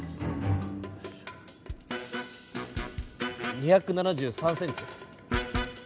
２７３ｃｍです。